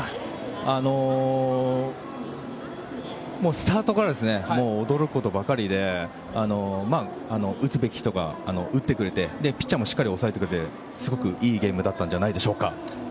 スタートからもう驚くことばかりで打つべき人が打ってくれてピッチャーもしっかり抑えてくれてすごくいいゲームだったんじゃないでしょうか？